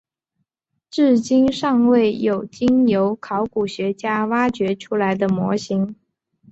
至今尚未有经由考古学家挖掘出来的模型。